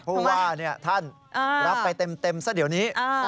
ผู้ว่าท่านรับไปเต็มซะเดี๋ยวนี้